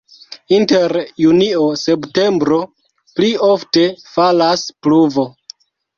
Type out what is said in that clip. Inter junio-septembro pli ofte falas pluvo.